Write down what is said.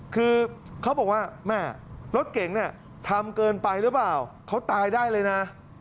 คือเขาบอกว่าแม่รถเก่งเนี่ยทำเกินไปหรือเปล่าเขาตายได้เลยนะ